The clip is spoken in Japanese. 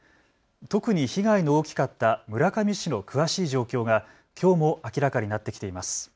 特に被害の大きかった村上市の詳しい状況がきょうも明らかになってきています。